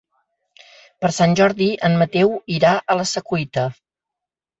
Per Sant Jordi en Mateu irà a la Secuita.